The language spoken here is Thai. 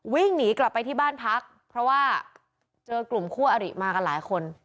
วิ่งหนีกลับไปที่บ้านพักเพราะว่าเจอกลุ่มคู่อริมากันหลายคน